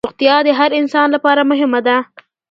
روغتیا د هر انسان لپاره مهمه ده